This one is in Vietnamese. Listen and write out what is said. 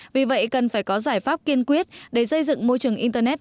chúng ta phải có giải pháp kiên quyết để xây dựng môi trường internet